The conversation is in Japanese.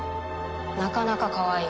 なかなかかわいい。